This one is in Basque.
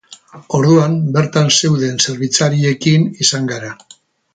Orduan, bertan zeuden zerbitzariekin izan gara.